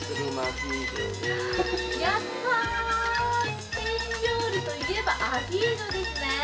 スペイン料理と言えばアヒージョですね。